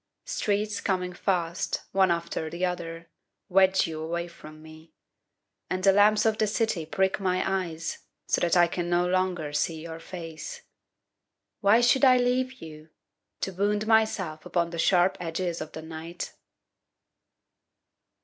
Streets coming fast, One after the other, Wedge you away from me, And the lamps of the city prick my eyes So that I can no longer see your face. Why should I leave you, To wound myself upon the sharp edges of the night?